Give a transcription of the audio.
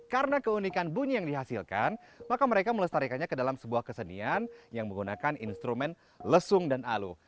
karena keunikan bunyi yang dihasilkan maka mereka melestarikannya ke dalam sebuah kesenian yang menggunakan instrumen lesung dan alu